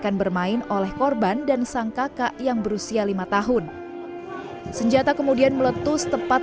akan bermain oleh korban dan sang kakak yang berusia lima tahun senjata kemudian meletus tepat